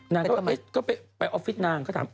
นางก็ไปออฟฟิศนางก็ถาม